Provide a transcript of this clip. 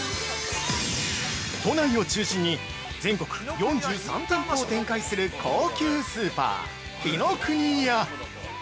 ◆都内を中心に、全国４３店舗を展開する高級スーパー、紀ノ国屋。